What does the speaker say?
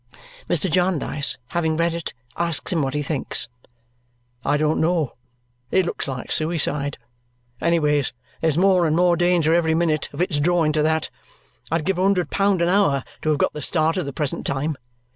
Mr. Jarndyce, having read it, asks him what he thinks. "I don't know. It looks like suicide. Anyways, there's more and more danger, every minute, of its drawing to that. I'd give a hundred pound an hour to have got the start of the present time.